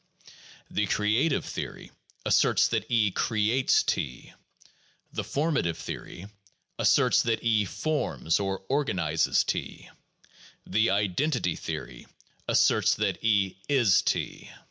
The creative theory asserts that E creates T; the formative theory asserts that E forms or organizes T; the identity theory asserts that E is T.